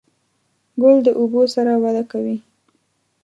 ګل د اوبو سره وده کوي.